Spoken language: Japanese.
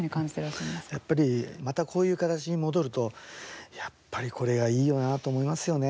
どのようにやっぱり、またこういう形に戻るとこれがいいよなと思いますよね